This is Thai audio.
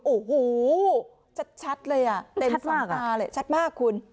โอ้โหชัดเลยอ่ะเต็มสองตาเลยชัดมากคุณ